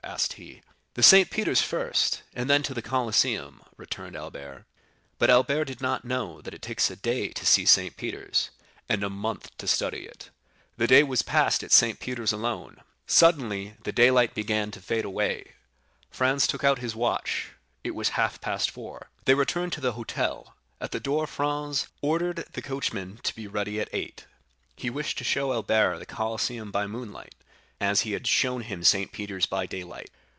asked he. "To Saint Peter's first, and then to the Colosseum," returned Albert. But Albert did not know that it takes a day to see Saint Peter's, and a month to study it. The day was passed at Saint Peter's alone. Suddenly the daylight began to fade away; Franz took out his watch—it was half past four. They returned to the hotel; at the door Franz ordered the coachman to be ready at eight. He wished to show Albert the Colosseum by moonlight, as he had shown him Saint Peter's by daylight.